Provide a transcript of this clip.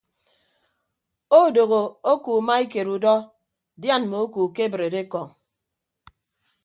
Odooho oku maikeed udọ dian mme oku kebreed ekọñ.